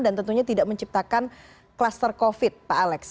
dan tentunya tidak menciptakan kluster covid pak alex